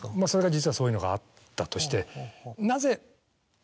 実はそういうのがあったとして。